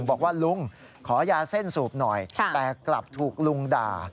บอกว่าลุงขอยาเส้นสูบหน่อยแต่กลับถูกลุงด่า